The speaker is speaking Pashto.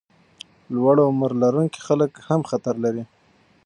لوړ عمر لرونکي خلک هم خطر لري.